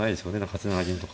８七銀とか。